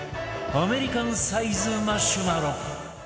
アメリカンサイズマシュマロ